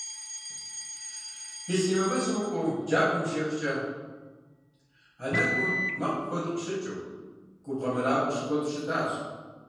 Ислъэмей мэзым укӏуэу джабэм ущехкӏэ, а нэкӏум мэкъу куэду къыщыкӏыу, губгъуэ мэракӏуэ щыкуэду щытащ.